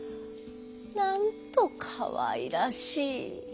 なんとかわいらしい！」。